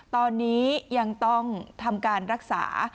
ตอนนี้ยังต้องทำการรักษา